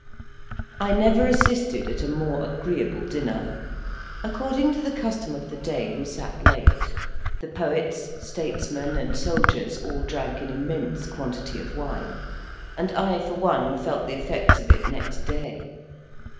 I never assisted at a more agreeable dinner. According to the custom of the day, we sat late; the poets, statesmen, and soldiers, all drank an immense quantity of wine, and I for one felt the effects of it next day.